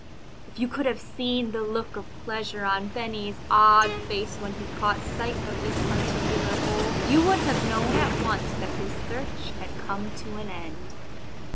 If you could have seen the look of pleasure on Benny's odd face when he caught sight of this particular hole you would have known at once that his search had come to an end.